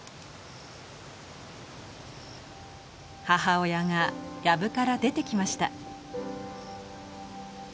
母親がヤブから出てきました。